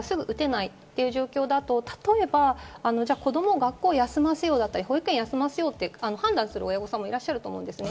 打てないという状況だと、例えば子供の学校を休ませようだったり、保育園を休ませようという判断をする親御さんもいると思います。